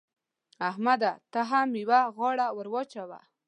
احمده! ته هم يوه غاړه ور واچوه.